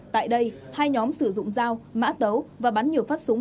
tại đây hai nhóm sử dụng dao mã tấu và bán nhiều phát súng